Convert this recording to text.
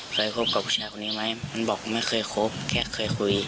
เคยคบกับผู้ชายคนนี้ไหมมันบอกไม่เคยคบแค่เคยคุย